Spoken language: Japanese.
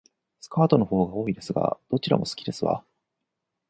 スカートの方が多いですが、どちらも好きですわ